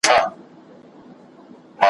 ما راپورته يو نااهله كړ د ښاره `